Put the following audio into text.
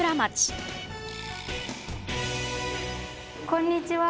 こんにちは。